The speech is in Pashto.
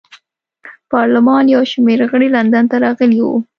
پارلمان یو شمېر غړي لندن ته راغلي وو.